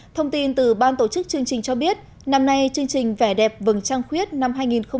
thông tin từ ban tổ chức chương trình cho biết năm nay chương trình vẻ đẹp vầng trăng khuyết năm hai nghìn một mươi chín